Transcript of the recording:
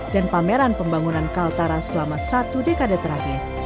dan pameran pembangunan kaltara selama satu dekade terakhir